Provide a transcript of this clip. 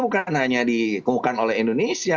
bukan hanya dikemukakan oleh indonesia